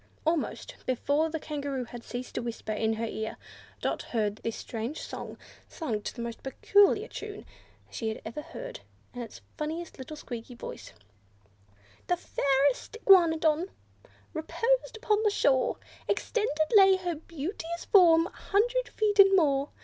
Almost before the Kangaroo had ceased to whisper in her ear, Dot heard this strange song, sung to the most peculiar tune she had ever heard, and in the funniest of little squeaky voices. The fairest Iguanodon reposed upon the shore Extended lay her beauteous form, a hundred feet and more.